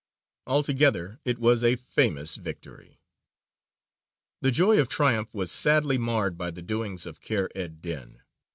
Altogether "it was a famous victory." The joy of triumph was sadly marred by the doings of Kheyr ed dīn.